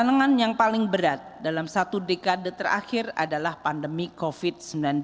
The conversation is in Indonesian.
tantangan yang paling berat dalam satu dekade terakhir adalah pandemi covid sembilan belas